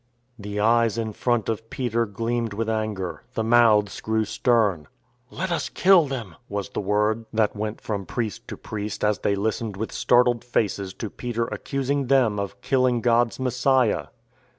The eyes in front of Peter gleamed with anger; the mouths grew stern. " Let us kill them," was the word that went from 68 IN TRAINING priest to priest as they listened with startled faces to Peter accusing them of killing God's Messiah.